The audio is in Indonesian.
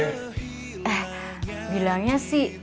eh bilangnya sih